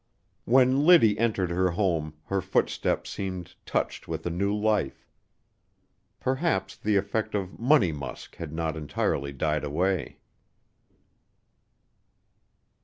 When Liddy entered her home her footsteps seemed touched with a new life. Perhaps the effect of "Money Musk" had not entirely died away.